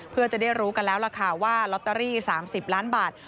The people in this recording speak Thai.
เพื่อจะได้รู้กันแล้วล่ะค่ะว่าลอตเตอรี่๓๐ล้านบาท